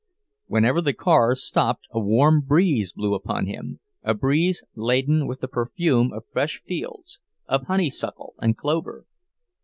Whenever the cars stopped a warm breeze blew upon him, a breeze laden with the perfume of fresh fields, of honeysuckle and clover.